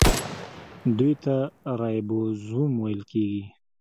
دوی ته رایبوزوم ویل کیږي.